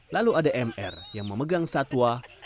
lalu ada mr yang memegang satwa